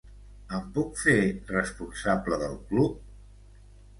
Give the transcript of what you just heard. Em puc fer responsable del club?